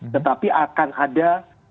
tetapi akan ada